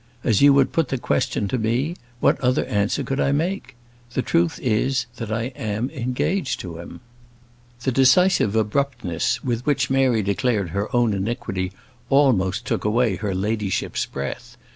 As you would put the question to me, what other answer could I make? The truth is, that I am engaged to him." The decisive abruptness with which Mary declared her own iniquity almost took away her ladyship's breath.